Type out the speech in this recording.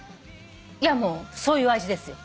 いやもうそういう味ですよ。